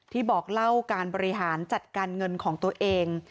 บอกเล่าการบริหารจัดการเงินของตัวเอง